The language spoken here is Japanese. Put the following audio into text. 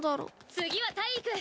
次は体育！